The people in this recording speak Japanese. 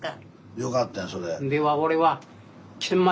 よかったやんそれ。